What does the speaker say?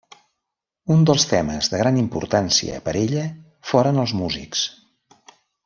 Un dels temes de gran importància per ella foren els músics.